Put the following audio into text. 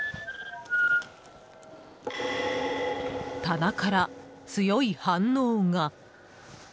棚から強い反応が。